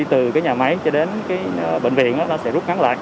từ cái nhà máy cho đến cái bệnh viện nó sẽ rút ngắn lại